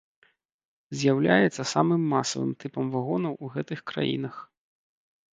З'яўляецца самым масавым тыпам вагонаў у гэтых краінах.